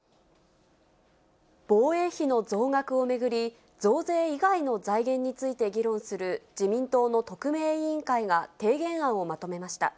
防衛費の増額を巡り、増税以外の財源について議論する、自民党の特命委員会が提言案をまとめました。